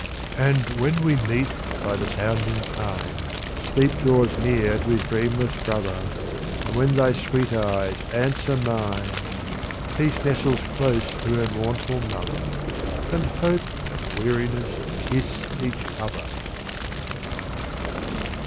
And when we meet by the sounding pine Sleep draws near to his dreamless brother. And when thy sweet eyes answer mine, Peace nestles close to her mournful mother, And Hope and Weariness kiss each other.